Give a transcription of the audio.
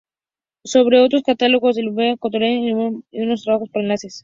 Sobre otros Catálogos de Lepidoptera, Coleoptera, Hymenoptera, y otros trabajos ver enlaces